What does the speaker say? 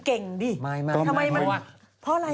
ดิทำไมมันเพราะอะไร